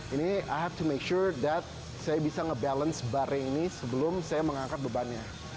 ini i have to make sure that saya bisa nge balance bar ini sebelum saya mengangkat bebannya